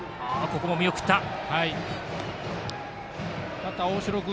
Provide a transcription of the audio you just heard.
バッター、大城君